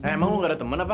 emang lu gak ada temen apa